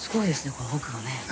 この奥もね。